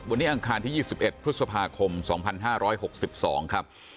วันนี้อังคารที่๒๑พฤษภาคม๒๕๖๒ครับ